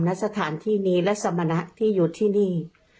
ณสถานที่นี้และสมณะที่อยู่ที่นี่